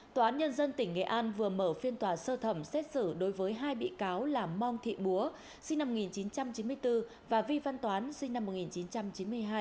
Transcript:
tòa án nhân dân tỉnh nghệ an vừa mở phiên tòa sơ thẩm xét xử đối với hai bị cáo là mong thị búa sinh năm một nghìn chín trăm chín mươi bốn và vi văn toán sinh năm một nghìn chín trăm chín mươi hai